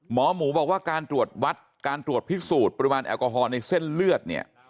หมอหมูบอกว่าการตรวจวัดการตรวจพิสูจน์ปริมาณแอลกอฮอลในเส้นเลือดเนี่ย